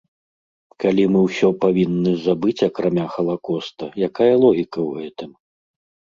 Калі мы ўсё павінны забыць, акрамя халакоста, якая логіка ў гэтым?